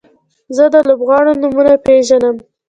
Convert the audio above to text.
زه د لوبغاړو نومونه پیژنم.